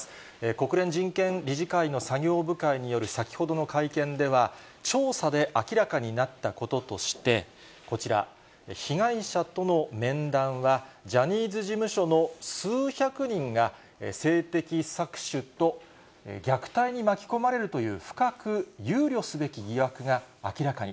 国連人権理事会の作業部会による先ほどの会見では、調査で明らかになったこととして、こちら、被害者との面談は、ジャニーズ事務所の数百人が、性的搾取と虐待に巻き込まれるという深く憂慮すべき疑惑が明らかに。